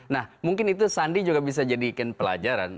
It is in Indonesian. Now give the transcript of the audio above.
nah mungkin itu sandi juga bisa jadikan pelajaran